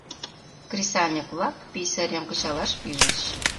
Кресаньык-влак писарьым кычалаш пижыч.